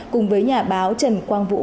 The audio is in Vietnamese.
cùng với nhà báo trần quang vũ